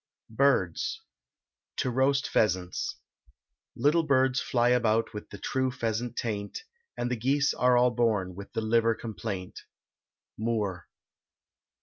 BIRDS. TO ROAST PHEASANTS. Little birds fly about with the true pheasant taint, And the geese are all born with the liver[56 *] complaint. MOORE.